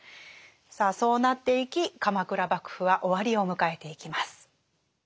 さあそうなっていき鎌倉幕府は終わりを迎えていきます。